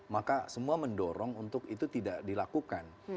maka semua mendorong untuk itu tidak dilakukan